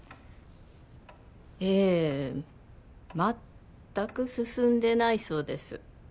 ええ全く進んでないそうです